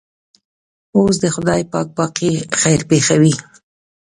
اوس دې خدای پاک باقي خیر پېښوي.